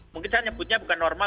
mungkin saya nyebutnya bukan normal